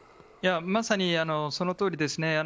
まさにそのとおりですね。